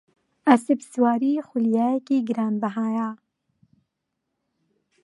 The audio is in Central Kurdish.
ئەسپسواری خولیایەکی گرانبەهایە.